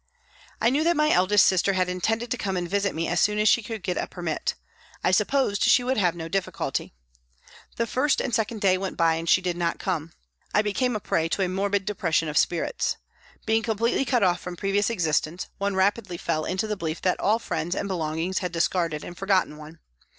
I knew that my eldest sister had intended to come and visit me as soon as she could get a permit ; I supposed she would have no difficulty. The first and second day went by and she did not come. I became a prey to a morbid depression of spirits. Being completely cut off from previous existence, one rapidly fell into the belief that all friends and belongings had discarded and forgotten one.